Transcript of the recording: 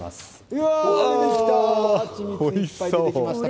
うわー、出てきた！